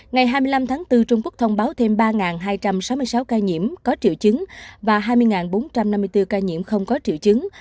ngày hai mươi năm tháng bốn trung quốc thông báo thêm ba hai trăm sáu mươi sáu ca nhiễm có triệu chứng và hai mươi bốn trăm năm mươi bốn ca nhiễm không có triệu chứng